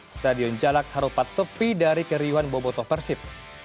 stadion jalak harupat sepi dari keriuhan bobotoh persib